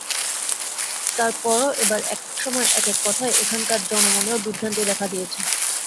তার পরও এবার একেক সময় একেক কথায় এখানকার জনমনেও বিভ্রান্তি দেখা দিয়েছে।